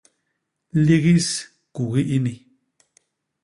Ligis kugi ini!